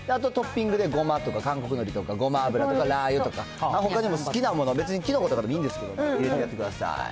トッピングでごまとか韓国のりとか、ごま油とか、ラー油とか、ほかにも好きなもの、別にきのことかでもいいんですけど、入れてやってください。